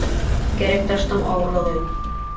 Кәрәк таштың ауырлығы юҡ.